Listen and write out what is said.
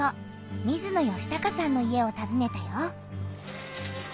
水野嘉孝さんの家をたずねたよ。